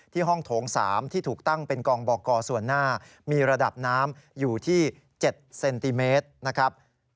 ห้องโถง๓ที่ถูกตั้งเป็นกองบอกกส่วนหน้ามีระดับน้ำอยู่ที่๗เซนติเมตรนะครับ